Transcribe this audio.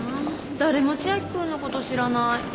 誰も千秋君のこと知らない。